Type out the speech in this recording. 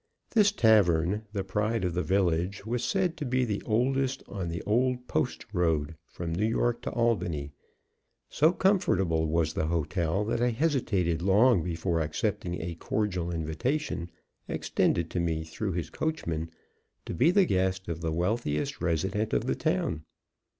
This tavern, the pride of the village, was said to be the oldest on the old "post road" from New York to Albany. So comfortable was the hotel that I hesitated long before accepting a cordial invitation, extended to me through his coachman, to be the guest of the wealthiest resident of the town.